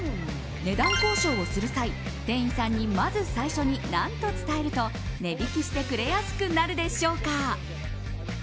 値段交渉をする際、店員さんにまず最初に何と伝えると値引きしてくれやすくなるでしょうか？